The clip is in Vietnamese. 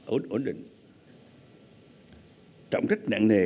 ổn định trọng trích nặng nề